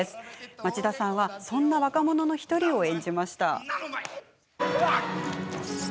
町田さんはそんな若者の１人を演じました。